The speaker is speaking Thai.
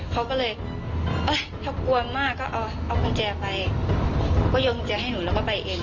เขาก็เลยเอ้ยถ้ากลัวมากก็เอาเอากุญแจไปก็โยงกุญแจให้หนูแล้วก็ไปเอง